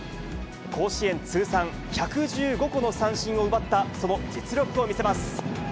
甲子園通算１１５個の三振を奪った、その実力を見せます。